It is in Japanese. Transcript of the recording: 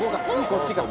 こっちか。